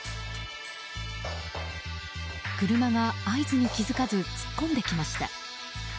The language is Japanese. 車が合図に気づかず突っ込んできました。